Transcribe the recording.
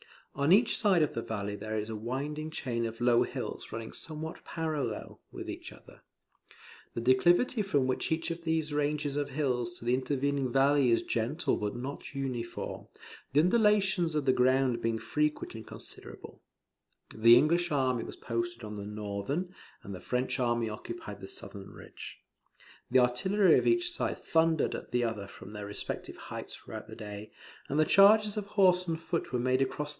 On each side of the valley there is a winding chain of low hills running somewhat parallel, with each other. The declivity from each of these ranges of hills to the intervening valley is gentle but not uniform, the undulations of the ground being frequent and considerable. The English army was posted on the northern, and the French army occupied the southern ridge. The artillery of each side thundered at the other from their respective heights throughout the day, and the charges of horse and foot were made across the valley that has been described.